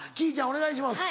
お願いします。